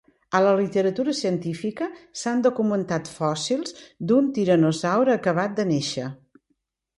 A la literatura científica s"han documentat fòssils d"un tiranosaure acabat de néixer.